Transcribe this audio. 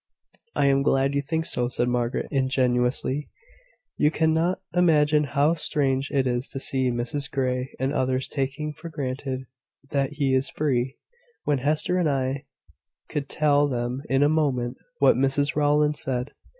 "I am glad you think so," said Margaret, ingenuously. "You cannot imagine how strange it is to see Mrs Grey and others taking for granted that he is free, when Hester and I could tell them in a moment what Mrs Rowland said.